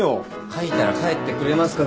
書いたら帰ってくれますか？